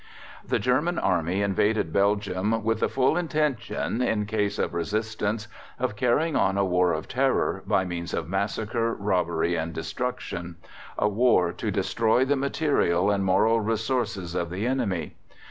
The German Army invaded Belgium with the full intention, in case of resistance, of carrying on a war of terror by means of massacre, robbery and destruction a war to "destroy the material and moral resources of the enemy."